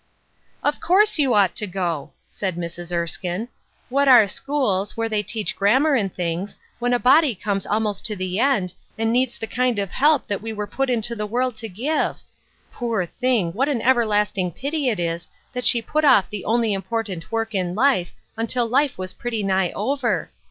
"Of course you ought to go," said Mrs. Erskine. " What are schools, where they teach grammar and things, when a body comes almost to the end, and needs the kind of help that we were put into the world to give ? Poor thing ! what an everlast ing pity it is that she put off the only important work in life until life was pretty nigh over.